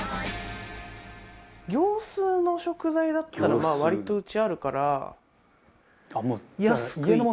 業スーの食材だったら割とうちあるから。